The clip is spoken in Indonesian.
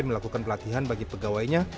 melakukan pelatihan bagi pegawainya